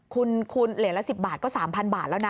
คุณเหรียญละ๑๐บาทก็๓๐๐บาทแล้วนะ